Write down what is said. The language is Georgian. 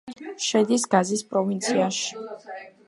შედის გაზის პროვინციაში.